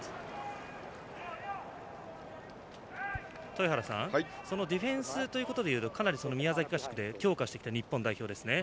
豊原さんそのディフェンスでいうとかなり宮崎合宿で強化してきた日本代表です。